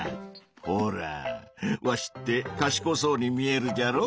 ほらぁわしってかしこそうに見えるじゃろ？